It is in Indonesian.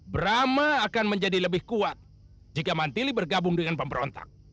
brama akan menjadi lebih kuat jika manteli bergabung dengan pemberontak